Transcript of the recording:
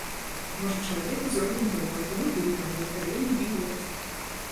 Можа, чалавеку зробім добра, ён выйграе латарэйны білет!